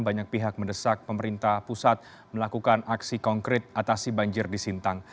banyak pihak mendesak pemerintah pusat melakukan aksi konkret atasi banjir di sintang